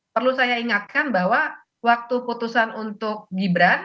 perlu saya ingatkan bahwa waktu putusan untuk gibran